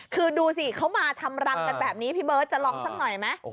คือดูสิเขามาทำรังกันแบบนี้พี่เบิร์ตจะลองสักหน่อยไหม